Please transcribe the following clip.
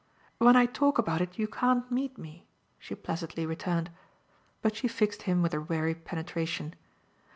"When I talk about it you can't meet me," she placidly returned. But she fixed him with her weary penetration.